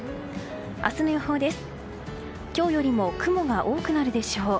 明日の予報です。